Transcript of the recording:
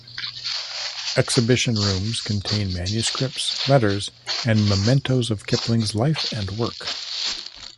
Exhibition rooms contain manuscripts, letters, and mementoes of Kipling's life and work.